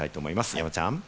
山ちゃん。